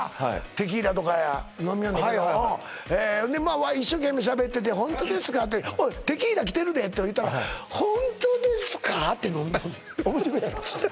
テキーラとか飲みよんやけどまあ一生懸命しゃべってて「ホントですか？」って「おいテキーラきてるで」って言ったら「ホントですか？」って飲みよる面白いやろ？